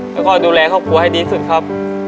แล้วก็ดูแลครอบครัวให้ดีสุดครับ